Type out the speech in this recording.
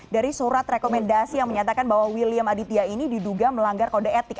dari surat rekomendasi yang menyatakan bahwa william aditya ini diduga melanggar kode etik